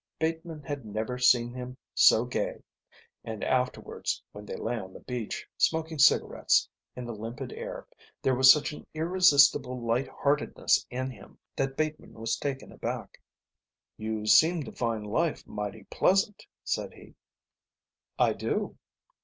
Bateman had never seen him so gay, and afterwards when they lay on the beach, smoking cigarettes, in the limpid air, there was such an irresistible light heartedness in him that Bateman was taken aback. "You seem to find life mighty pleasant," said he. "I do."